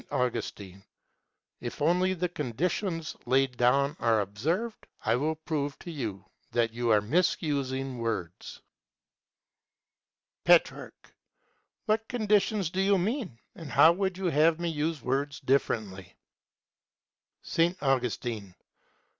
Augustine._ If only the conditions laid down are observed, I will prove to you that you are misusing words. Petrarch. What conditions do you mean, and how would you have me use words differently? _S. Augustine.